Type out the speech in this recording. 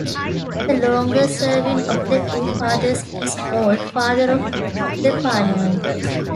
The longer serving of the two Fathers is called "Father of the Parliament".